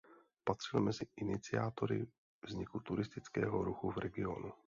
Patřil mezi iniciátory vzniku turistického ruchu v regionu.